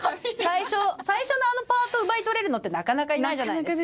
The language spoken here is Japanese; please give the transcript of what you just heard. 最初のあのパートを奪い取れるのってなかなかいないじゃないですか。